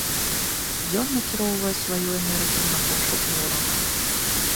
Ён накіроўвае сваю энергію на пошук ворагаў.